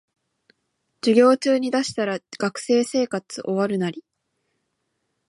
授業中に出したら学生生活終わるナリ